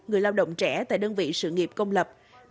người lao động trẻ tại đơn vị sự nghiệp công lập